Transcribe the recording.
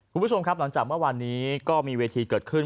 คุณผู้ชมครับหลังจากเมื่อวานนี้ก็มีเวทีเกิดขึ้น